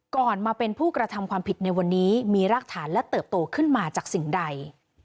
ก่อนมาเป็นผู้กระทำความผิดในวันนี้มีรากฐานและเติบโตขึ้นมาจากสิ่งใด